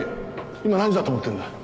今何時だと思ってんだ？